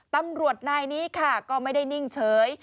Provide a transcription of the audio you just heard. ตำรวจนายนี้ค่ะก็ไม่ได้นิ่งเฉย